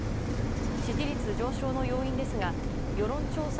支持率上昇の要因ですが世論調査